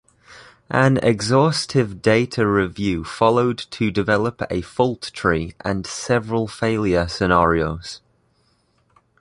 An exhaustive data review followed to develop a fault tree and several failure scenarios.